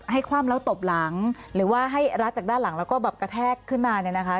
คว่ำแล้วตบหลังหรือว่าให้รัดจากด้านหลังแล้วก็แบบกระแทกขึ้นมาเนี่ยนะคะ